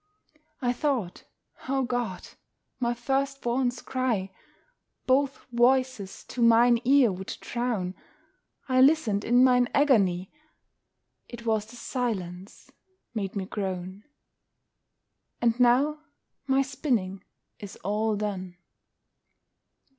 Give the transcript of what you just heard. I thought, O God! my first born's cry Both voices to mine ear would drown: I listened in mine agony, It was the silence made me groan! And now my spinning is all done.